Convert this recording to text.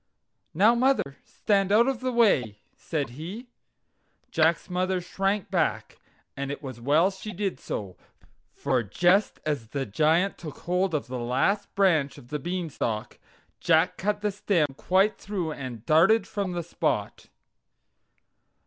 "Now, mother, stand out of the way!" said he. Jack's mother shrank back, and it was well she did so, for just as the Giant took hold of the last branch of the Beanstalk, Jack cut the stem quite through and darted from the spot.